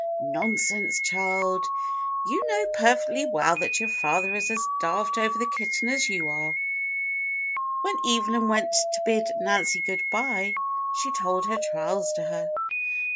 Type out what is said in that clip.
"Nonsense, child; you know perfectly well that your father is as daft over the kitten as you are." When Evelyn went to bid Nancy good bye she told her trials to her.